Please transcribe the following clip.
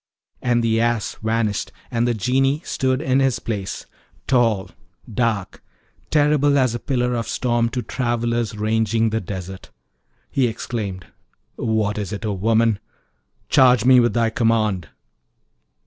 And the Ass vanished, and the Genie stood in his place, tall, dark, terrible as a pillar of storm to travellers ranging the desert. He exclaimed, 'What is it, O woman? Charge me with thy command!'